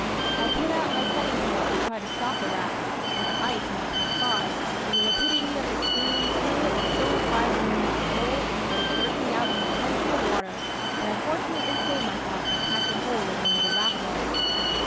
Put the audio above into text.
I put out my setting pole to try to stop the raft, that the ice might pass by, when the rapidity of the stream threw it with so much violence against the pole, that it jerked me out into ten feet of water; but I fortunately saved myself by catching hold of one of the raft logs.